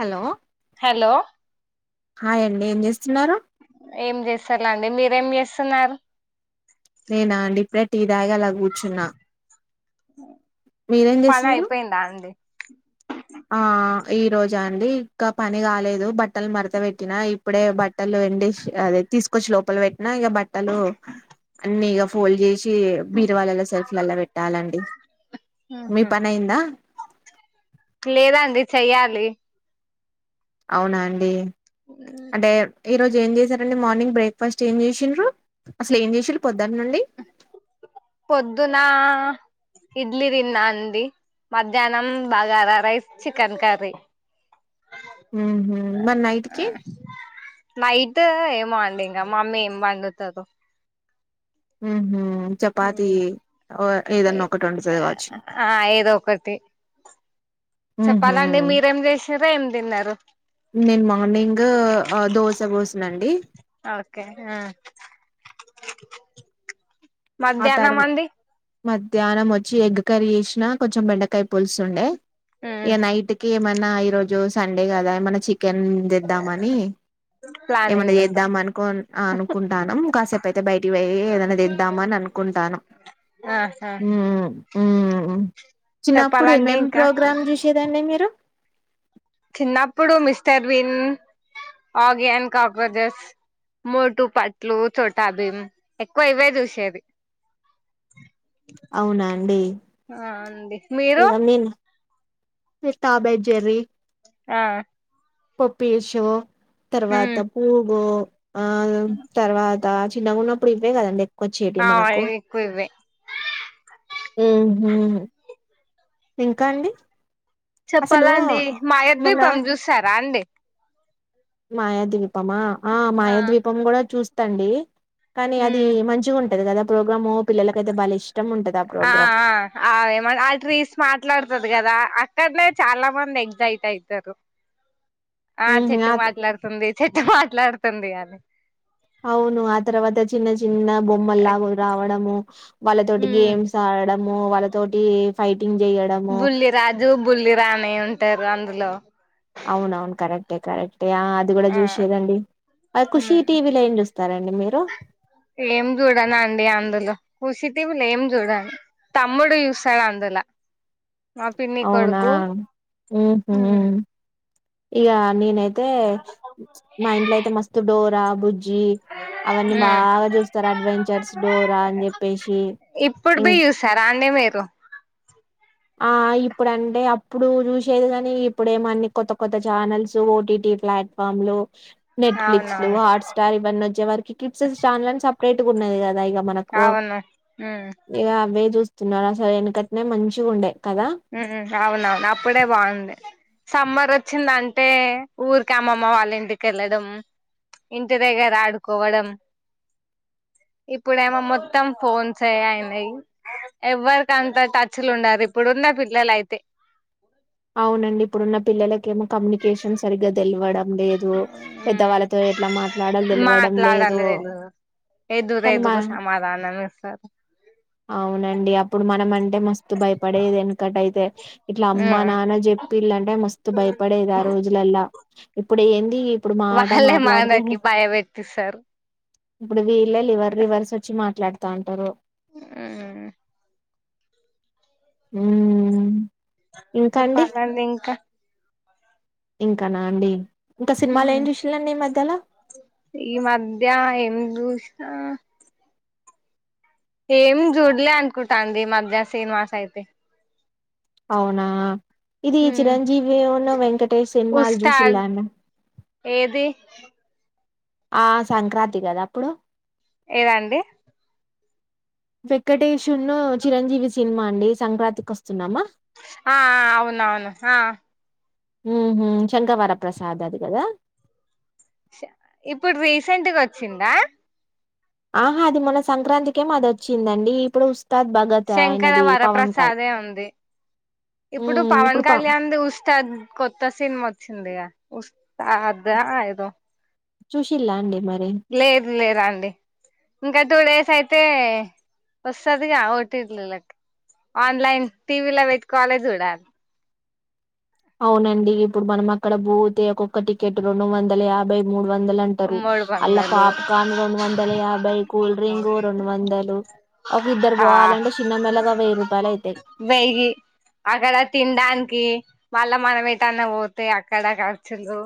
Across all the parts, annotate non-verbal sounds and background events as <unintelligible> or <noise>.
Hello hello హాయండి ఏం చేస్తున్నారు ఏం చేస్తలే అండి మీరేం చేస్తున్నారు నేనా అండి ఇప్పుడే టీ తాగి అలా కూర్చున్నా మీరేం పని చేసిల్లు అయిపోయిందా అండి ఆ ఈ రోజ అండి ఇంకా పని కాలేదు బట్టలు మరత పెట్టినా ఇప్పుడే బట్టలు ఎండేసి అదే తీసుకొచ్చి లోపల పెట్టినా ఇగ బట్టలు అన్ని ఇగ ఫోల్డ్ చేసి బీరవాలల్ల సెల్ఫ్లల్ల పెట్టాలండి మీ ఆహా పని అయిందా లేదండి చెయ్యాలి అవునా అండి అంటే ఈ రోజు ఏం చేసారండి మార్నింగ్ బ్రేక్ఫాస్ట్ ఏం చేసిండ్రు అసలు ఏం చేసిల్లు పొద్దట్నుండి పొద్దునా ఇడ్లీ దిన్ అంది మధ్యాహ్నం బగార రైస్ చికెన్ కర్రీ ఉ మరి నైట్కి నైట్ ఏమండి ఇంకా మమ్మీ ఏం పండుతారు ఉహ ఒకటి వండుతది కావచ్చు ఆ ఏద ఒకటి ఊహూ. చెప్పాలండి మీరేం చేసి చిర ఎం దన్రు నేను మార్నింగ్ దోశ పోసన్నా అండి ఓకే ఆ ఆ మధ్యాహ్నం తర్వా మంది మధ్యాహ్నం వచ్చి ఎగ్ కర్రీ వేసిన కొంచెం బెండకాయ పులుసుండే ఏ నైట్కి మన్నా ఈ రోజు సండే కదా ఏమైన్నా చికెన్ తెద్దామని ఏమై ప్లానింగ్ ఉంటది చేద్దాం అనుకో అనుకుంటాను కాసేపు అయితే బయటికి పోయి ఏదైనాదిద్దామని అనుకు అనుకుంటాను ఆహా చిన్నప్పుడు చెప్పాలండి ఏమేం ఇంకా ప్రోగ్రామ్ చూసేదండి మీరు చిన్నప్పుడు మిస్టర్ బిన్ ఆగియాన్ కాక్రోచెస్ మోటు పట్లు చోటాబిమ్ ఎక్కువ ఇవే చూసేది అవునండి అడి ఇద మీన్ పితాబజరీ ఆ ఇప్ప పేషవ తర్వాత ఉమ్ పూగు ఆ తర్వాత తాజ్ చిన్నగా ఉన్నప్పుడు ఇవే కదండి కోచ్చేటివ్ ఆ మనకు ఎక్కువ ఇవే ఉహ్ హ్మ్ ఇంకా అండి అసలు చెప్పాలండి మా య్యబ్బి మొన్న పన్ చూస్తారా అండి మా యాదవి తమ ఆ మాయ ద్వీపం కూడా చూస్త్ తండి కానీ అది ఉమ్ మంచిగా ఉం <unintelligible> ఆ ప్రోగ్రామ్ ఆ ఆ అ ఏమన్నా ఆ ట్రీస్ మాట్లాడతది కదా అక్కడ్నే చాలామంది ఎగ్జిట్ అయితారు. ఆ చెట్టు మాట్లాడుతుంది చెట్టు మా ట్లాడుతుంది గాని అవును ఆ తర్వాత ఓచ్ చిన్న చిన్న బొమ్మల్లాగారావడము వాళ్ళతోటి ఉమ్ గేమ్స్ ఆడడం అమ్మో వాళ్ళతోటి ఫైట్ బుల్లి రాజు బుల్లి రాణి ఉం టైర్ అందులో అవునువును కరెక్టే కరెక్టే ఆ అది కూడ ఆ జుస్సిర్రండి ఖుషి టీవీ లో ఏం తరండి మీరు ఏం చూడనండి అందులో ఖుషి టీవీ లో ఏం చూడను తమ్ముడు చూస్తడు అందుల అవునా ఉహ్మ మ్మ్ ఇగా నేనయితే యితే మా ఇంట్లో అయితే మస్తు డోరా బుజ్ జీ అవన్నీ బాగా చూస్తారు అడ్వెంచర్స్ డోరా అన్ చెప్పేసి ఇప్పుడు ఇం బి చూస్తారా అండి మీరు ఆ ఇప్పుడు అంటే అప్పుడు చూసేది గానీ ఇప్పుడు ఏమి అన్ని కొత్త కొత్త channels O T T platform లో నెట్ ఫ్లిక్స్ లు అవునవును హాట్ స్టార్ ఇవన్నీ వచ్చేవరకి కిడ్స్ చానెల్స్ అన్ని పెట్టుకున్నది కదా ఇగ మనకు అవును మ్మ్ ఇదగ చూస్తున్నారా అసలు వెనకట్టనే మంచిగా చిగుండె ఉమ్ అవునవును అప్పుడే బాగుంది సమ్మర్ వచ్చిందంటే ఊరికే మామ వాళ్ళ ఇంటికి, వెళ్లడం ఇంటి దగ్గర ఆడుకోవడం, ఇప్పుడేమో మొత్తం ఫోన్ సే అయినాయి ఎవరికి అంత టచ్ లో ఉండదు ఇప్పుడు ఉన్న పిల్లలైతే అవునండి ఇప్పుడున్న పిల్లలకు ఏమో కమ్యూనికేషన్ సరిగ్గా తెలవడం లేదు పెద్దవాళ్లతో ఎట్ల మాట్లాడాలో తెలవడం లేదు, మాట్లాడాలి తెలుగు ఎదురు కానీ మా ఎదురు సమాధానం ఇస్తారు అవునండి అప్పుడు మనం అంటే మస్తు భయపడేది ఎందుకంటే ఇట్లా అమ్మానాన్న నాకు చెప్పిందంటే మస్తు భయపడేది ఆ రోజులలా ఇప్పుడు ఏంది ఇప్పుడు మాట వాళ్లే మాట్లాడితే మనకి భయపెట్టిస్తారు ఇప్పుడు వి లివర్ రివర్స్ వచ్చి మాట్లాడు తాంటారో ఉమ్ ఉమ్ చెప్పాలండి ఇంకా ఇంకా నా అండి ఇంకా హ సినిమాలు ఏం చూసిల్లండి ఈ మధ్యలో ఈ మధ్య ఏం ఆ ఏం చూడలే అనుకుంటాండి ఈ మధ్య సనిమాస్ అయితే అవునా ఇది చిరంజీవిను వెంకటేష్ సినిమాలు ఉస్తాద్ జూశిలాం ఏది ఆ సంక్రాంతి కదా అప్పుడు ఏదండి వెంకటేశ్వ ను చిరంజీవి సినిమా అండి సంక్రాంతికి వస్తున్నాం ఆ ఆ అవును అవును ఆ ఉహు శంకవరప్రసాద్ అది కదా ఇప్పుడు రీసెంట్గా వచ్చిందా ఆహా అది మన సంక్రాంతికే అది వచ్చిందండి ఇప్పుడు ఉస్తాద్ భగత్ శంకర ఆయనది పవన్ కాయ్ వరప్రసాదే ఉంది ఇప్పుడు ఉమ్ పవన్ ప కళ్యాణ్ ఉస్తాద్ కొత్త సినిన్ వచ్చింది గా ఉస్తాదా ఏదో చూసిలా అండి మరి లేదు లేదు అండి ఇంకా టూ డేస్ అయితే వస్తుదిగా ఓటీటీ లోకి ఆన్లైన్ టీవీలో పెట్కోవాలే చూడాలి అవునండి ఇప్పుడు మనం అక్కడ పోతే ఒక్కొక్క టికెట్ రెండు వందల యాభై మూడు వందలు అంటారు మూడు అల్లా వందలు పాప్కార్న్ రెండు వందలు యాభై కూల్ డ్రింక్ రెండు వందలు ఒక ఇద్దరు ఆ పోవాలంటే చిన్న మెల్లగా వెయ్యి రూపాయలు అయితాయి వెయ్యి మల్లా మనం ఏటన్నా పోతే అక్కడ ఖర్చులు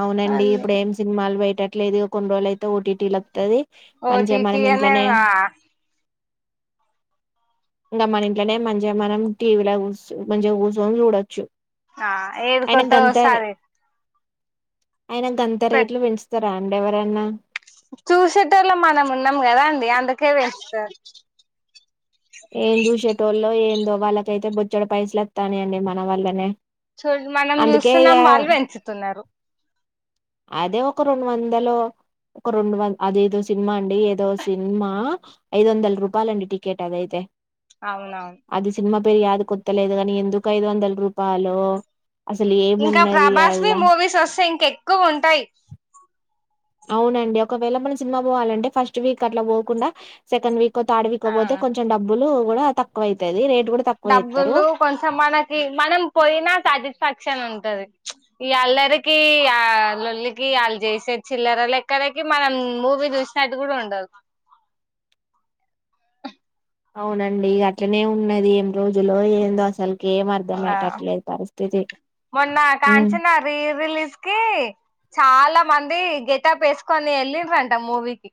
అవునండి అన్నీ ఇప్పుడు ఏం సినిమాలు బయ ట్లేదు కొన్నిరోలు అయితే ఓటీటీ లు వత్తది ఓ టీ మంచిగా టీ మనం ఇయ్యా ఇంట్లోనే లేదా ఇంకా మన ఇంట్నే మంచిగా మనం టీవీ లా కొంచం కూర్చొని చూడొచ్చు ఆ అయిన ఏడ్కత్తవ్ గంత ఓసారి ఆయన గంత రేట్లు పెంచుతార రండి ఎవరన్న చూసేటొళ్ళం మనం ఉన్నాం కదా అండి అందుకే పెంచుతార్ తో వాళ్ళకైతే బొచ్చడు పైసలు వత్తానాయండి మన వల్లనే చూ మనం అందుకే ఇగ చూస్తున్నాం వాళ్ళు పెంచుతున్నారు అదే ఒక రెండు వందలో ఒక రెండు వంద అదేదో సినిమా అండి ఏదో సినిమా ఐదు వందల రూపాయల అండి టికెట్ అదయితే అవునవును పెర్యాదికొత్త లేదు కాని ఎందుకు ఐదు వందల రూపాలో ఇంకా ప్రభాస్వి మూవీస్ వస్తే ఇంక ఎక్కువ ఉం టయి అవునండి ఒకవేళ మనం సినిమా పోవాలంటే ఫస్ట్ వీక్ అట్లా పోకుండా సెకండ్ వీక్ కో తార్డ్ వీక్ ఒ ఆ పోతే కొంచెం డబ్బులు కూడా తక్కువైతది రేట్ కూడా తక్కువ చేత్తరు డబ్బులు కొంచెం మనకి మనం పోయినా సాటిస్ఫాక్షన్ ఉం టది ఈ అల్లరికి ఆ లొల్లికి ఆళ్ళు చేసే చిల్లర లెక్కలకి మనం మూవీ చూసినట్టు కూడా ఉండదు అవునండి అట్లనే ఉన్నది ఏం రోజులో ఏందో అసలు ఆ మొన్న ఉమ్ కాంచన రీ రిలీజ్ కి చాలా మం ది గెటాప్ వేసుకొని వెళ్లిండ్రంట మూవీకిి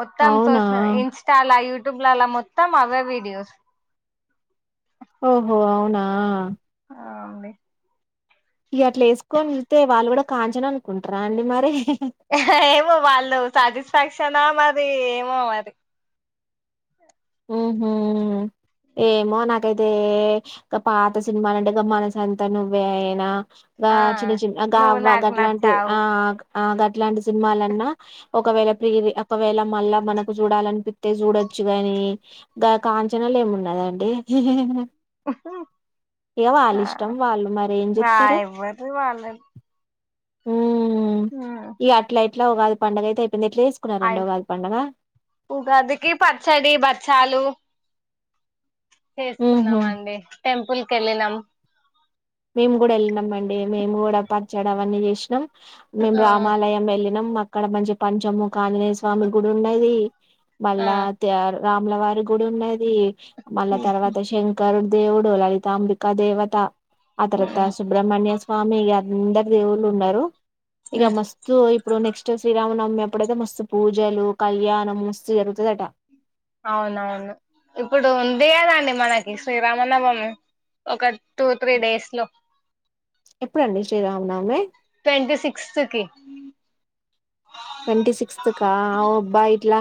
మొత్తం అవునా సోస ఇన్స్టాాల యూ ట్యూబ్ ల లా మొత్తం అవె విడియోస్ ఓహో అవునా అ అండి ఇగ అట్లా వేసుకొని చూత్తే వాళ్ళు కూడా కాంచన అనుకుంటారా అండి మరి ఏమో వాళ్ళు సాటిస్ఫాక్షనా మరి ది ఏమో మరి ఉహు ఏమో నాకైతే గా పాత సినిమాలంటే గా మనసంతా నువ్వే నా గా ఆ చిన్న చిన్న గ నువ్వు అవ్వ నాకు అట్లాంటి నచ్చావు ఆ అ గట్లాంటి సినిమాలన్నా ఒకవేళ ప్రీ ఒకవేళ మళ్ళా మనకు చూడాలనిపిత్తే చూడొచ్చు గాని గా కాంచనాల ఏమున్నాదండి ఆ ఇష్టం వాళ్ళు మరి ఏం రయవ్వరిది వాళ్ళద్ ఉం హ ఇట్లా ఉగాది పండగ అయితే అయిపోయింది ఎట్లా ఆయి చేసుకున్నారండి ఉగాది పండగ ఉగాది కి పచ్చడి బ చాలు ఊహూ చేసుకున్నామ అండి టెంపుల్కి వెళ్ళినం అదే మేము కూడా పచ్చడి అవన్నీ చేసినాం మేం ఆ రామాలయం వెళ్ళినాం అక్కడ మంచి పంచము కాంజనేయ స్వామి గుడి ఉన్నది ఆ మళ్ళ తయారు రాముల వారి గుడి ఉన్నది మళ్ళా ఉమ్, తర్వాత శంకరు దేవుడు లలితాంబిక దేవత ఆ తర్త ఉమ్, సుబ్రహమణ్యస్ స్వామి అందరు దేవుళ్ళు ఉన్నారు ఇక ఉమ్. మస్తు ఇప్పుడు నెక్స్ట్ శ్రీరామ నవమి మ ఎప్పుడైతే మస్తు పూజలు కళ్యాణం మస్తు జరుగుతుందట అవునవును ఇప్పుడు ఉంది కదండి మనకి శ్రీరామనవమి ఒక టూ త్రీ డేస్ లో ఎప్పుడు అండి శ్రీరామనవమి ట్వంటీ సిక్స్త్ కి ట్వంటీ సిక్స్త్కా అ అబ్బా ఇట్లా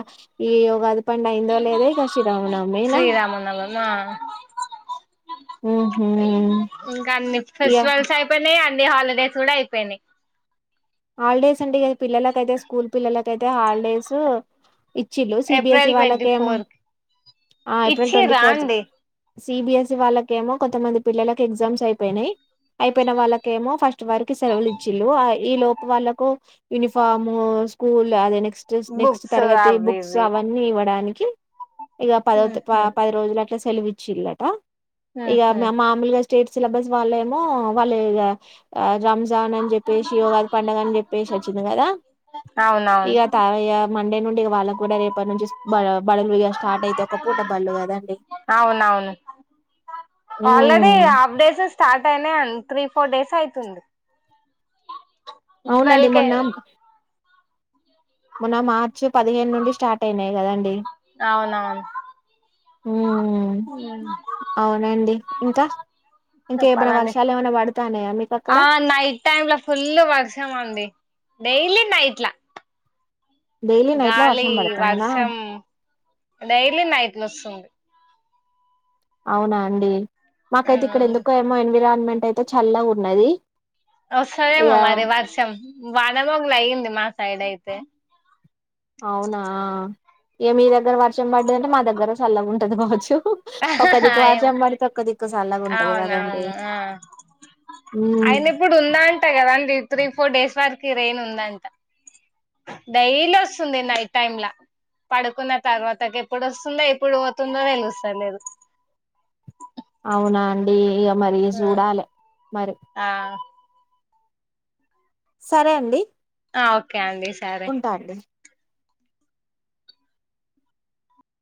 ఈ ఉగాది అ పండగ అయిందో లేదే ఇంకా శ్రీరామనవమినా శ్రీరామనవమి ఆ ఇంకా అన్ని ఫెస్టివల్స్ అయిపోయినాయి హాలిడేస్ కూడా అయిపోయినాయి హాలిడేస్ అండి ఇ పిల్లలకైతే స్కూల్ పిల్లలకైతే హాలిడేస్ ఇచ్చిళు సిబిఎస్ఈ ఏప్రిల్ ట్వంటీ వాళ్ళకేమో ఫోర్ కి ఏప్రిల్ ట్వంటీ ఇచ్చిరా ఫోర్త్ అండి సిబిఎస్ఈ వాళ్ళకేమో కొంతమంది పిల్లలకి ఎగ్జామ్స్ అయిపోయినాయి అయిపోయిన వాళ్ళకేమో ఫస్ట్ వారికి సెలవులు ఇచ్చిులు ఈ లోపు వాళ్ళకు యూనిఫార్మ్ స్కూల్ అద నెక్స్ట్ నెక్స్ట్ బుక్స్ తరగతి అవి బుక్స్ ఇవి అవన్నీ ఇవ్వడానికి జ ఇక పద ఉహు పది రోజులు అట్లా సెలవు ఇచ్చిందంట ఇక ఉహు మామూలుగా స్టేట్ సిలబస్ వాళ్ళు ఏమో వాళ్ళు ఇక రామ్ జన అని చేయిపిచ్చి ఉగాది అని చెప్పేసి వచ్చింది కదా అవునవును ఇక తాయ్య మండే నుండి వాళ్ళకు కూడా రేపటి నుంచి బడులుగా స్టార్ట్ అయితే ఒక పూట బళ్లు కదండి అవునవును ంటనే అ త్రీ ఫోర్ డేస్ అయితుంది అవునండి ట్వెల్వ్ కే మొన్నం మన మార్చ పదిహేను నుండి స్టార్ట్ అయినాయి కదండి అవునవును ఉ పో ఇంకా ఇంకా ఏమైనా చెప్పాలండి వర్షాలు ఏమైనా పడతాన్నాయా మీకు అక్కడ ఆ నైట్ టైమ్ లో ఫుల్ వర్షం అండి డెలీ నైట్లా డైలీ నైట్ లో గాలి వర్షం పడతాందా వర్షం డైలీ నైట్లోస్సుంది అవునా అండి మాకైతే ఇక్కడ ఆ ఎందుకో ఏమో ఎన్విరాన్మెంట్ యితే చల్లగా ఉన్నది సరేమ్ ఇగ మరి వర్షం వాడ మొగల అయ్యింది మా సైడ్ అయితే అవునా ఇగ మీ దగ్గర వర్షం పడ్డదంటే మా దగ్గర చల్లం ఉంటది గావచ్చు ఒకదిక వర్షం బడితే ఒకది అవున అవును అ ఉమ్ అయిన ఇప్పుడు ఉందా అంటా కదాండి త్రీ ఫోర్ డేస్ వరకు కి రైన్ ఉందంట డైలీ వస్తుంది నైట్ టైమ్లా పడుకున్న తర్వాతకి ఎప్పుడు వస్తుందో ఎప్పుడు పోతుందో తెలుస్తా లేదు అవునా అండి మరి సూడాలే మరి ఆ సరే అండి ఓకే కండి సరే ఉంటా అండి